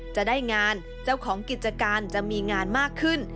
จะได้งานเจ้าของกิจการจะมีงานมากขึ้น